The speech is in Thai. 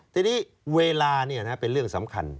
ทีนี้เวลาเป็นเรื่องสำคัญ